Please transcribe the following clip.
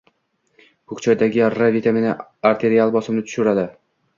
Ko‘k choydagi R vitamini arterial bosimni tushiradi.